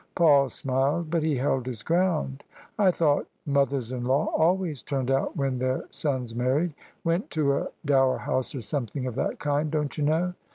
Paul smiled, but he held his ground. " I thought mothers in law always turned out when their sons married: went to a Dower House or something of that kind, don't you know?"